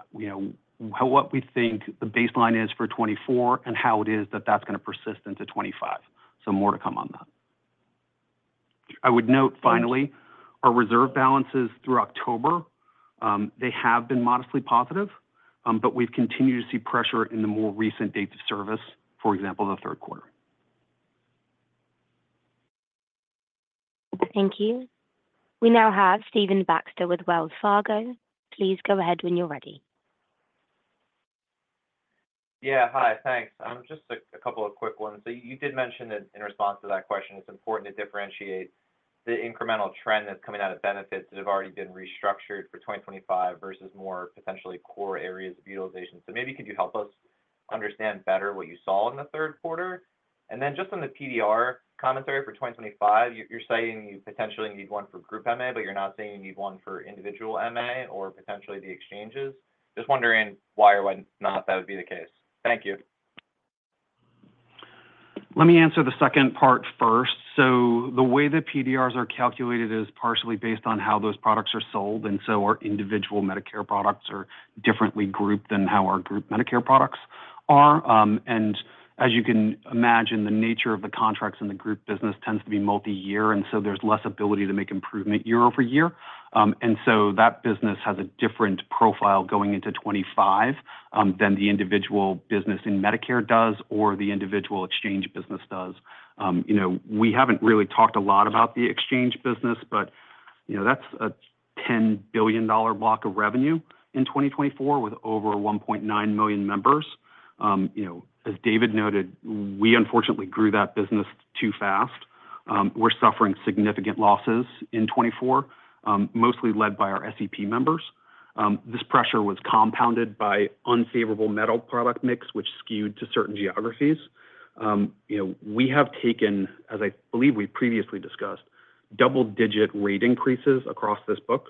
Speaker 4: what we think the baseline is for 2024 and how it is that that's going to persist into 2025. So more to come on that. I would note finally, our reserve balances through October; they have been modestly positive, but we've continued to see pressure in the more recent dates of service, for example, the third quarter.
Speaker 1: Thank you. We now have Stephen Baxter with Wells Fargo. Please go ahead when you're ready.
Speaker 7: Yeah. Hi. Thanks. Just a couple of quick ones. You did mention in response to that question, it's important to differentiate the incremental trend that's coming out of benefits that have already been restructured for 2025 versus more potentially core areas of utilization. So maybe could you help us understand better what you saw in the third quarter? And then just on the PDR commentary for 2025, you're saying you potentially need one for group MA, but you're not saying you need one for individual MA or potentially the exchanges. Just wondering why or why not that would be the case. Thank you.
Speaker 4: Let me answer the second part first. So the way the PDRs are calculated is partially based on how those products are sold. And so our individual Medicare products are differently grouped than how our group Medicare products are. And as you can imagine, the nature of the contracts in the group business tends to be multi-year, and so there's less ability to make improvement year-over-year. And so that business has a different profile going into 2025 than the individual business in Medicare does or the individual exchange business does. We haven't really talked a lot about the exchange business, but that's a $10 billion block of revenue in 2024 with over 1.9 million members. As David noted, we unfortunately grew that business too fast. We're suffering significant losses in 2024, mostly led by our SEP members. This pressure was compounded by unfavorable metal product mix, which skewed to certain geographies. We have taken, as I believe we previously discussed, double-digit rate increases across this book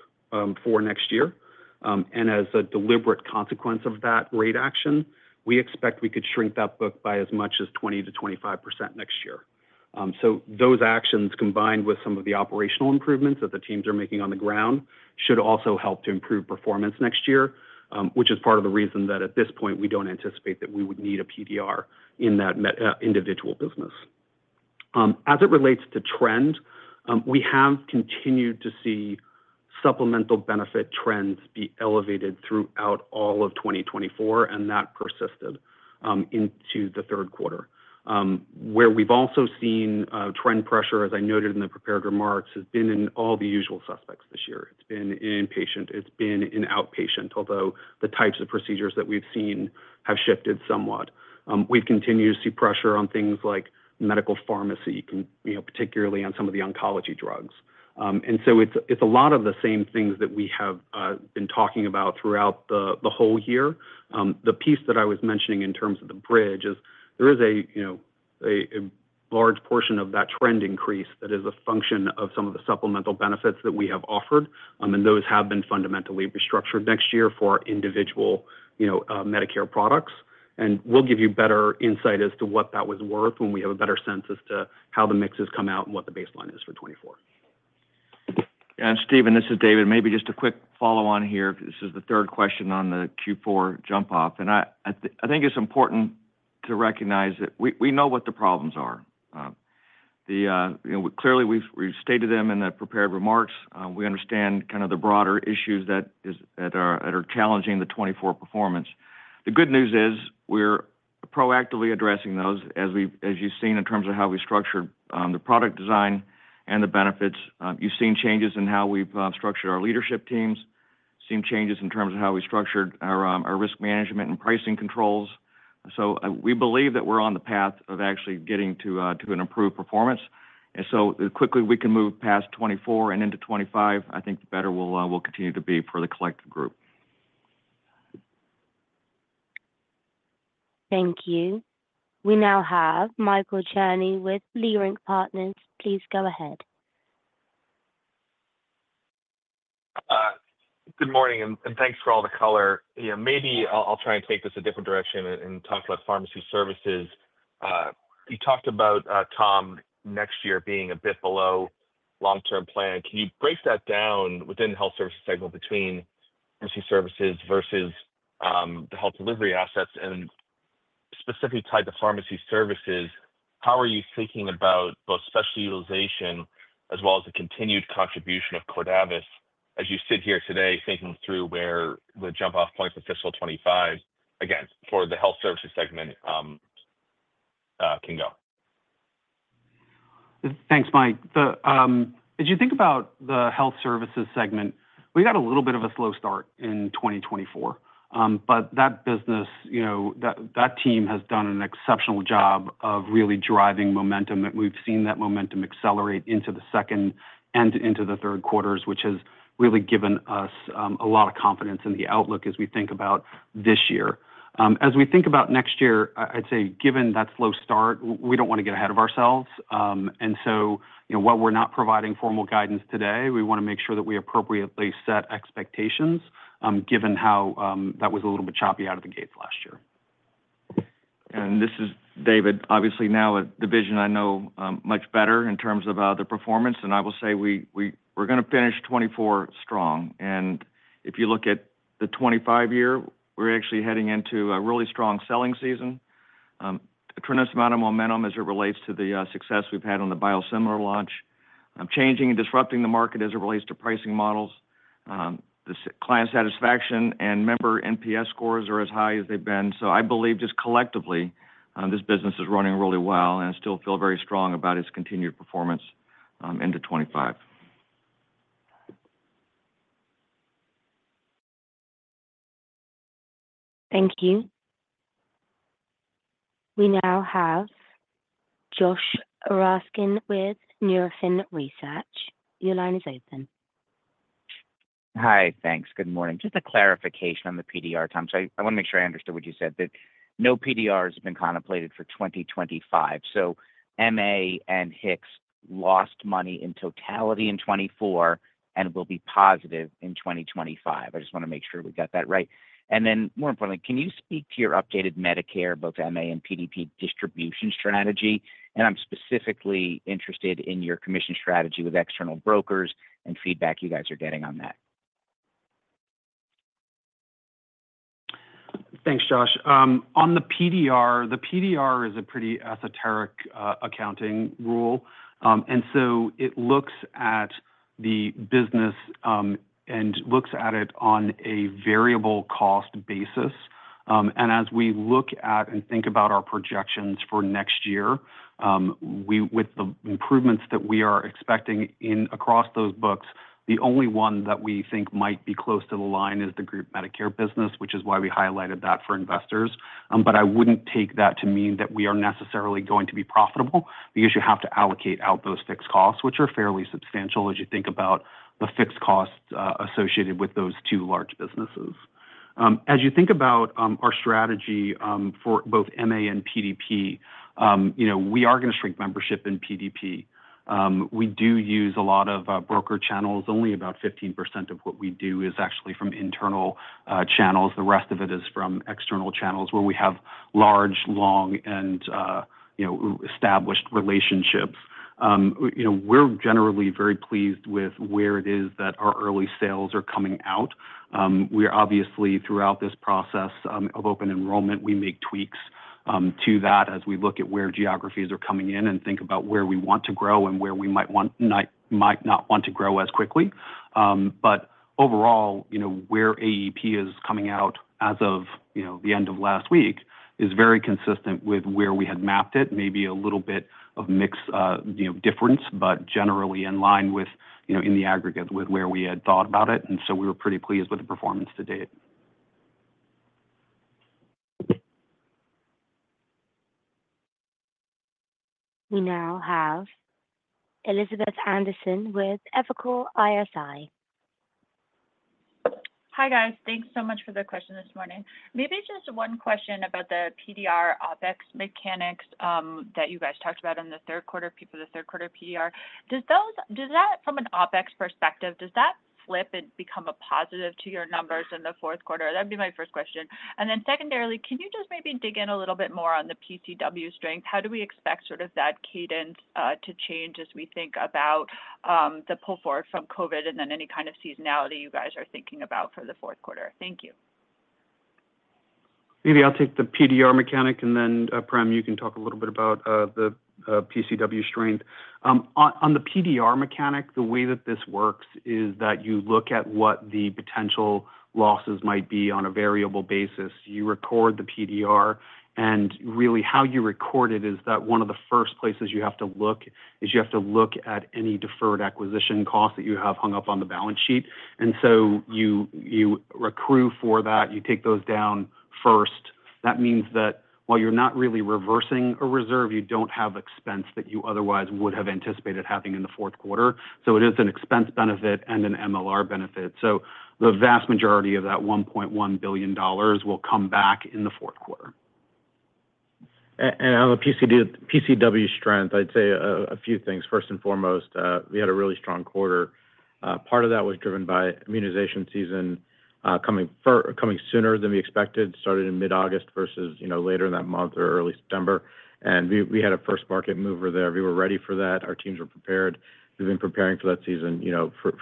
Speaker 4: for next year. And as a deliberate consequence of that rate action, we expect we could shrink that book by as much as 20%-25% next year. So those actions combined with some of the operational improvements that the teams are making on the ground should also help to improve performance next year, which is part of the reason that at this point, we don't anticipate that we would need a PDR in that individual business. As it relates to trend, we have continued to see supplemental benefit trends be elevated throughout all of 2024, and that persisted into the third quarter. Where we've also seen trend pressure, as I noted in the prepared remarks, has been in all the usual suspects this year. It's been in inpatient. It's been in outpatient, although the types of procedures that we've seen have shifted somewhat. We've continued to see pressure on things like medical pharmacy, particularly on some of the oncology drugs. And so it's a lot of the same things that we have been talking about throughout the whole year. The piece that I was mentioning in terms of the bridge is there is a large portion of that trend increase that is a function of some of the supplemental benefits that we have offered, and those have been fundamentally restructured next year for individual Medicare products. And we'll give you better insight as to what that was worth when we have a better sense as to how the mixes come out and what the baseline is for 2024.
Speaker 3: Yeah. And Stephen, this is David. Maybe just a quick follow-on here. This is the third question on the Q4 jump-off. And I think it's important to recognize that we know what the problems are. Clearly, we've stated them in the prepared remarks. We understand kind of the broader issues that are challenging the 2024 performance. The good news is we're proactively addressing those, as you've seen in terms of how we structured the product design and the benefits. You've seen changes in how we've structured our leadership teams, seen changes in terms of how we structured our risk management and pricing controls. So we believe that we're on the path of actually getting to an improved performance, and so the quicker we can move past 2024 and into 2025, I think the better we'll continue to be for the collective group.
Speaker 1: Thank you. We now have Michael Cherny with Leerink Partners. Please go ahead.
Speaker 8: Good morning, and thanks for all the color. Maybe I'll try and take this a different direction and talk about pharmacy services. You talked about, Tom, next year being a bit below long-term plan. Can you break that down within the health services segment between pharmacy services versus the health delivery assets? And specifically tied to pharmacy services, how are you thinking about both specialty utilization as well as the continued contribution of Cordavis as you sit here today thinking through where the jump-off points of fiscal 2025, again, for the health services segment can go?
Speaker 4: Thanks, Mike. As you think about the health services segment, we got a little bit of a slow start in 2024. But that business, that team has done an exceptional job of really driving momentum. We've seen that momentum accelerate into the second and into the third quarters, which has really given us a lot of confidence in the outlook as we think about this year. As we think about next year, I'd say given that slow start, we don't want to get ahead of ourselves. And so while we're not providing formal guidance today, we want to make sure that we appropriately set expectations given how that was a little bit choppy out of the gates last year.
Speaker 3: And this is David, obviously now a division I know much better in terms of the performance. And I will say we're going to finish 2024 strong. And if you look at the 2025 year, we're actually heading into a really strong selling season, a tremendous amount of momentum as it relates to the success we've had on the biosimilar launch, changing and disrupting the market as it relates to pricing models. The client satisfaction and member NPS scores are as high as they've been. So I believe just collectively, this business is running really well, and I still feel very strong about its continued performance into 2025.
Speaker 1: Thank you. We now have Josh Raskin with Nephron Research. Your line is open.
Speaker 9: Hi. Thanks. Good morning. Just a clarification on the PDP, Tom. So I want to make sure I understood what you said, that no PDPs have been contemplated for 2025. So MA and HIX lost money in totality in 2024 and will be positive in 2025. I just want to make sure we got that right. And then more importantly, can you speak to your updated Medicare, both MA and PDP distribution strategy? And I'm specifically interested in your commission strategy with external brokers and feedback you guys are getting on that.
Speaker 4: Thanks, Josh. On the PDP, the PDP is a pretty esoteric accounting rule. And so it looks at the business and looks at it on a variable cost basis. And as we look at and think about our projections for next year, with the improvements that we are expecting across those books, the only one that we think might be close to the line is the group Medicare business, which is why we highlighted that for investors. But I wouldn't take that to mean that we are necessarily going to be profitable because you have to allocate out those fixed costs, which are fairly substantial as you think about the fixed costs associated with those two large businesses. As you think about our strategy for both MA and PDP, we are going to shrink membership in PDP. We do use a lot of broker channels. Only about 15% of what we do is actually from internal channels. The rest of it is from external channels where we have large, long, and established relationships. We're generally very pleased with where it is that our early sales are coming out. We obviously, throughout this process of open enrollment, we make tweaks to that as we look at where geographies are coming in and think about where we want to grow and where we might not want to grow as quickly. But overall, where AEP is coming out as of the end of last week is very consistent with where we had mapped it, maybe a little bit of mixed difference, but generally in line with, in the aggregate, with where we had thought about it. And so we were pretty pleased with the performance to date.
Speaker 1: We now have Elizabeth Anderson with Evercore ISI.
Speaker 10: Hi, guys. Thanks so much for the question this morning. Maybe just one question about the PDR OpEx mechanics that you guys talked about in the third quarter for the third quarter PDR. From an OpEx perspective, does that flip and become a positive to your numbers in the fourth quarter? That'd be my first question. And then secondarily, can you just maybe dig in a little bit more on the PCW strength? How do we expect sort of that cadence to change as we think about the pull forward from COVID and then any kind of seasonality you guys are thinking about for the fourth quarter? Thank you.
Speaker 4: Maybe I'll take the PDR mechanic, and then Prem, you can talk a little bit about the PCW strength. On the PDR mechanic, the way that this works is that you look at what the potential losses might be on a variable basis. You record the PDR.
Speaker 11: And really, how you record it is that one of the first places you have to look is at any deferred acquisition costs that you have hung up on the balance sheet. And so you recruit for that. You take those down first. That means that while you're not really reversing a reserve, you don't have expense that you otherwise would have anticipated having in the fourth quarter. So it is an expense benefit and an MLR benefit. So the vast majority of that $1.1 billion will come back in the fourth quarter. And on the PCW strength, I'd say a few things. First and foremost, we had a really strong quarter. Part of that was driven by immunization season coming sooner than we expected, starting in mid-August versus later in that month or early September. And we had a first market mover there. We were ready for that. Our teams were prepared. We've been preparing for that season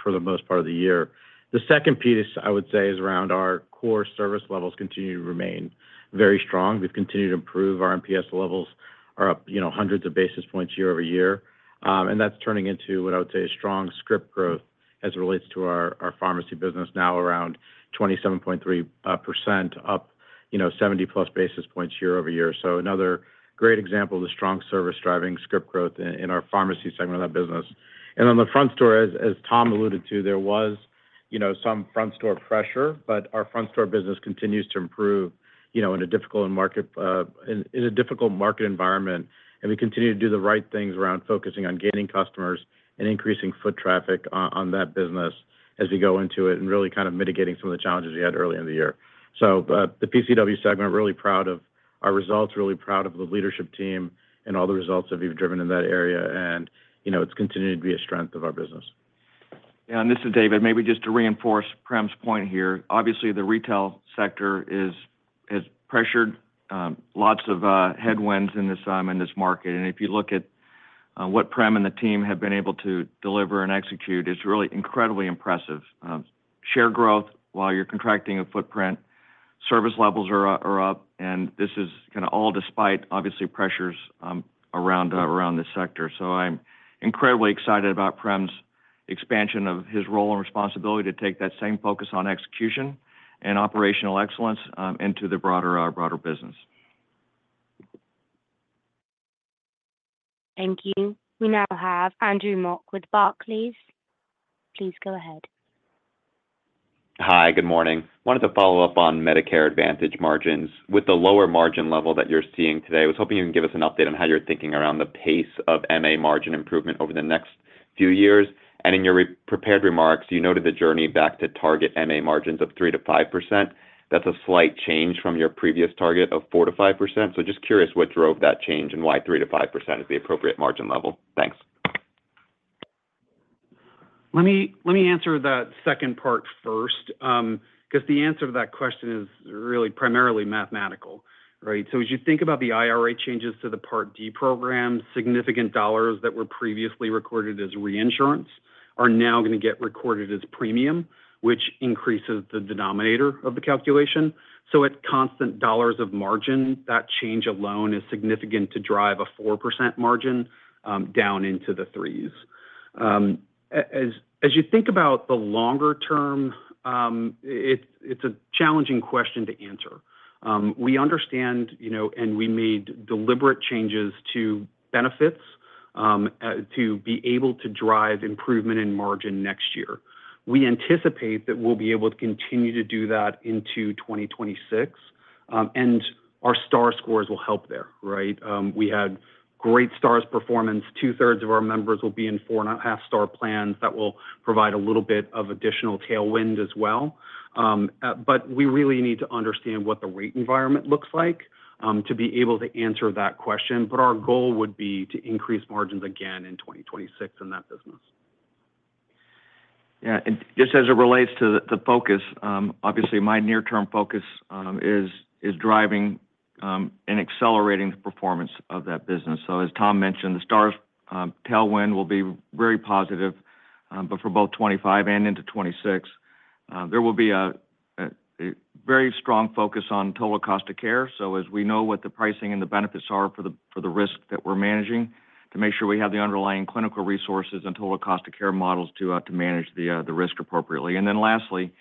Speaker 11: for the most part of the year. The second piece, I would say, is around our core service levels continue to remain very strong. We've continued to improve. Our NPS levels are up hundreds of basis points year-over-year. And that's turning into what I would say is strong script growth as it relates to our pharmacy business now around 27.3%, up 70+ basis points year-over-year. So another great example of the strong service driving script growth in our pharmacy segment of that business. And on the front store, as Tom alluded to, there was some front store pressure, but our front store business continues to improve in a difficult market environment. We continue to do the right things around focusing on gaining customers and increasing foot traffic on that business as we go into it and really kind of mitigating some of the challenges we had early in the year. So the PCW segment, really proud of our results, really proud of the leadership team and all the results that we've driven in that area. And it's continued to be a strength of our business.
Speaker 3: Yeah. And this is David. Maybe just to reinforce Prem's point here. Obviously, the retail sector has faced lots of headwinds in this market. And if you look at what Prem and the team have been able to deliver and execute, it's really incredibly impressive. Share growth while you're contracting a footprint, service levels are up, and this is kind of all despite, obviously, pressures around this sector. I'm incredibly excited about Prem's expansion of his role and responsibility to take that same focus on execution and operational excellence into the broader business.
Speaker 1: Thank you. We now have Andrew Mok with Barclays. Please go ahead.
Speaker 12: Hi. Good morning. Wanted to follow up on Medicare Advantage margins. With the lower margin level that you're seeing today, I was hoping you can give us an update on how you're thinking around the pace of MA margin improvement over the next few years. And in your prepared remarks, you noted the journey back to target MA margins of 3%-5%. That's a slight change from your previous target of 4%-5%. So just curious what drove that change and why 3%-5% is the appropriate margin level. Thanks.
Speaker 4: Let me answer that second part first because the answer to that question is really primarily mathematical, right? So as you think about the IRA changes to the Part D program, significant dollars that were previously recorded as reinsurance are now going to get recorded as premium, which increases the denominator of the calculation. So at constant dollars of margin, that change alone is significant to drive a 4% margin down into the threes. As you think about the longer term, it's a challenging question to answer. We understand, and we made deliberate changes to benefits to be able to drive improvement in margin next year. We anticipate that we'll be able to continue to do that into 2026, and our star scores will help there, right? We had great stars performance. Two-thirds of our members will be in four-and-a-half-star plans that will provide a little bit of additional tailwind as well, but we really need to understand what the rate environment looks like to be able to answer that question, but our goal would be to increase margins again in 2026 in that business.
Speaker 3: Yeah, and just as it relates to the focus, obviously, my near-term focus is driving and accelerating the performance of that business. So as Tom mentioned, the stars tailwind will be very positive, but for both 2025 and into 2026, there will be a very strong focus on total cost of care, so as we know what the pricing and the benefits are for the risk that we're managing, to make sure we have the underlying clinical resources and total cost of care models to manage the risk appropriately. Then lastly,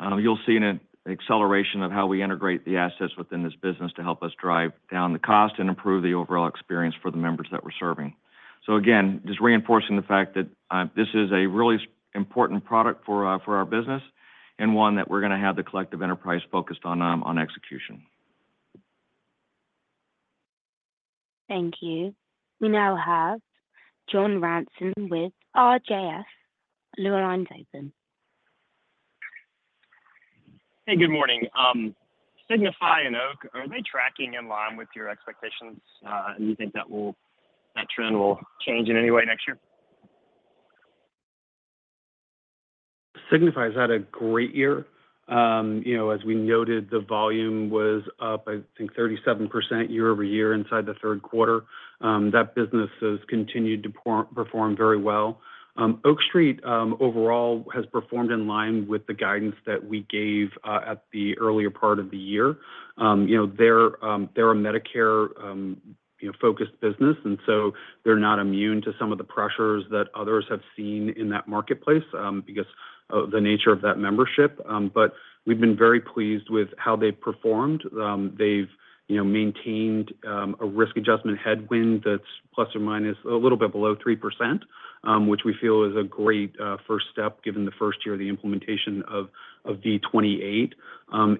Speaker 3: you'll see an acceleration of how we integrate the assets within this business to help us drive down the cost and improve the overall experience for the members that we're serving. So again, just reinforcing the fact that this is a really important product for our business and one that we're going to have the collective enterprise focused on execution.
Speaker 1: Thank you. We now have John Ransom with RJS. The line is open.
Speaker 13: Hey, good morning. Signify and Oak, are they tracking in line with your expectations? And do you think that trend will change in any way next year?
Speaker 4: Signify has had a great year. As we noted, the volume was up, I think, 37% year-over-year inside the third quarter. That business has continued to perform very well. Oak Street overall has performed in line with the guidance that we gave at the earlier part of the year. They're a Medicare-focused business, and so they're not immune to some of the pressures that others have seen in that marketplace because of the nature of that membership. But we've been very pleased with how they've performed. They've maintained a risk adjustment headwind that's plus or minus a little bit below 3%, which we feel is a great first step given the first year of the implementation of V28,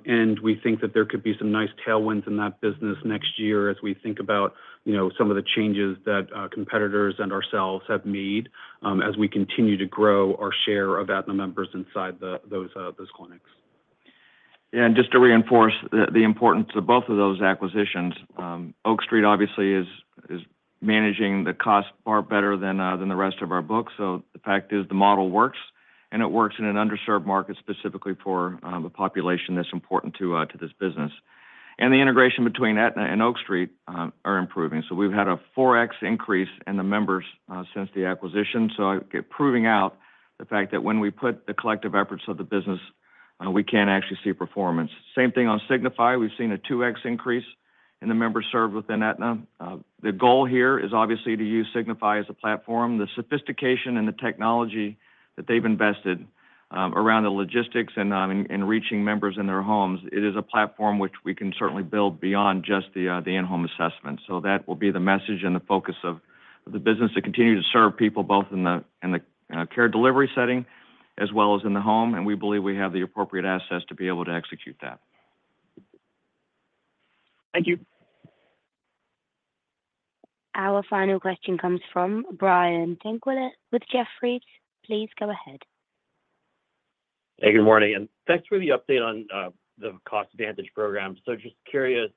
Speaker 4: and we think that there could be some nice tailwinds in that business next year as we think about some of the changes that competitors and ourselves have made as we continue to grow our share of Aetna members inside those clinics.
Speaker 3: And just to reinforce the importance of both of those acquisitions, Oak Street obviously is managing the cost far better than the rest of our books. So the fact is the model works, and it works in an underserved market specifically for the population that's important to this business. And the integration between Aetna and Oak Street is improving. So we've had a 4x increase in the members since the acquisition. So proving out the fact that when we put the collective efforts of the business, we can actually see performance. Same thing on Signify. We've seen a 2x increase in the members served within Aetna. The goal here is obviously to use Signify as a platform. The sophistication and the technology that they've invested around the logistics and reaching members in their homes, it is a platform which we can certainly build beyond just the in-home assessment. So that will be the message and the focus of the business to continue to serve people both in the care delivery setting as well as in the home. And we believe we have the appropriate assets to be able to execute that.
Speaker 1: Thank you. Our final question comes from Brian Tanquilut with Jefferies. Please go ahead.
Speaker 14: Hey, good morning. And thanks for the update on the CostVantage program. So just curious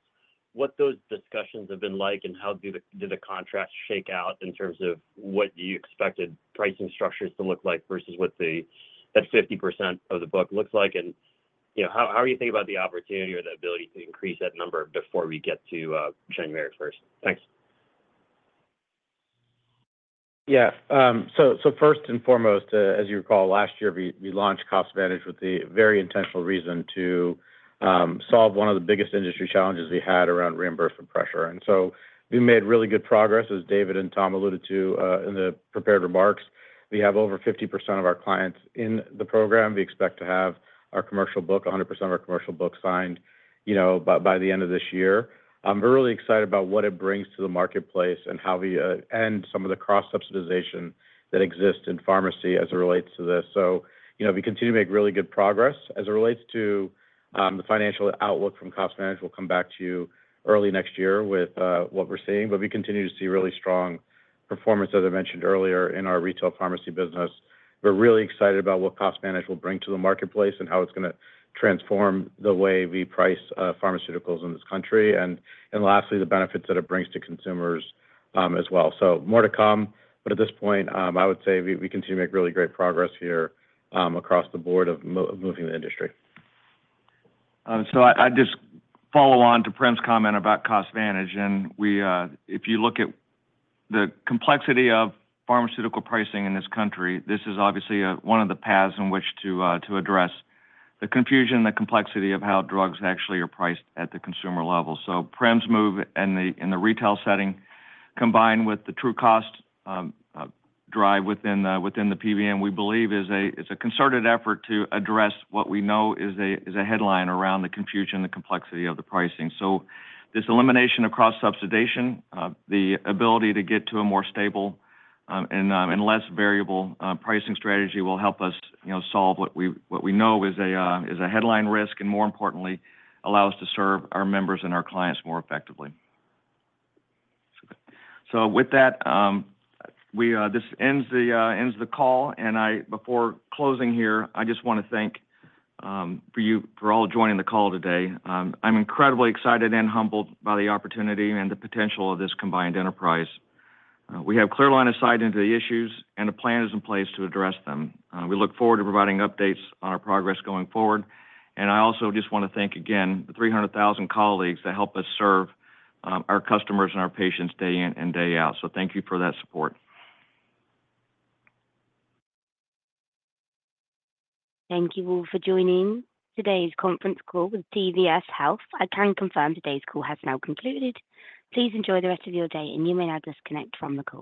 Speaker 14: what those discussions have been like and how did the contract shake out in terms of what you expected pricing structures to look like versus what that 50% of the book looks like. And how do you think about the opportunity or the ability to increase that number before we get to January 1st? Thanks.
Speaker 11: Yeah. So first and foremost, as you recall, last year we launched CostVantage with a very intentional reason to solve one of the biggest industry challenges we had around reimbursement pressure. And so we've made really good progress, as David and Tom alluded to in the prepared remarks. We have over 50% of our clients in the program. We expect to have our commercial book, 100% of our commercial book signed by the end of this year. We're really excited about what it brings to the marketplace and how we end some of the cross-subsidization that exists in pharmacy as it relates to this. So we continue to make really good progress as it relates to the financial outlook from cost management. We'll come back to you early next year with what we're seeing. But we continue to see really strong performance, as I mentioned earlier, in our retail pharmacy business. We're really excited about what cost management will bring to the marketplace and how it's going to transform the way we price pharmaceuticals in this country. And lastly, the benefits that it brings to consumers as well. So more to come. But at this point, I would say we continue to make really great progress here across the board of moving the industry.
Speaker 3: So I just follow on to Prem's comment about cost advantage. And if you look at the complexity of pharmaceutical pricing in this country, this is obviously one of the paths in which to address the confusion and the complexity of how drugs actually are priced at the consumer level. So Prem's move in the retail setting combined with the true cost drive within the PBM, we believe, is a concerted effort to address what we know is a headline around the confusion and the complexity of the pricing. So this elimination of cross-subsidization, the ability to get to a more stable and less variable pricing strategy will help us solve what we know is a headline risk and, more importantly, allow us to serve our members and our clients more effectively. So with that, this ends the call. And before closing here, I just want to thank you for all joining the call today. I'm incredibly excited and humbled by the opportunity and the potential of this combined enterprise. We have clear line of sight into the issues, and a plan is in place to address them. We look forward to providing updates on our progress going forward. I also just want to thank again the 300,000 colleagues that help us serve our customers and our patients day in and day out. So thank you for that support. Thank you all for joining today's conference call with CVS Health. I can confirm today's call has now concluded. Please enjoy the rest of your day, and you may now disconnect from the call.